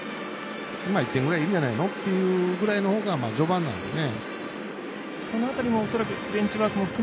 １点ぐらい、いいんじゃないのっていうほうが序盤なんでね。